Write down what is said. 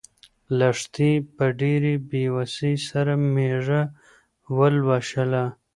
لښتې په ډېرې بې وسۍ سره مېږه ولوشله.